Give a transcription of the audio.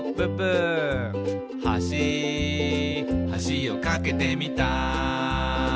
「はしはしを架けてみた」